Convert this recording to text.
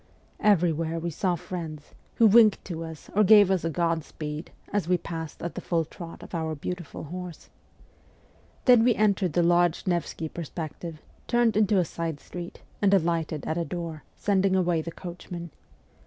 Everywhere we saw friends, who winked to us or gave us a Godspeed as we passed at the full trot of our beautiful horse. Then we entered the large Nevsky Perspective, turned into a side street, and alighted at a door, sending away the coachman.